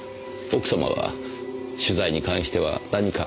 奥様は取材に関しては何か？